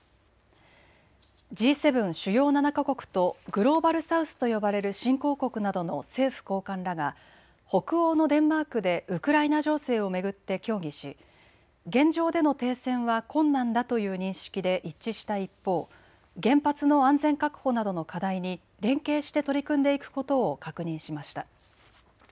Ｇ７・主要７か国とグローバル・サウスと呼ばれる新興国などの政府高官らが北欧のデンマークでウクライナ情勢を巡って協議し現状での停戦は困難だという認識で一致した一方、原発の安全確保などの課題に連携して取り組んでいくことを確認しました。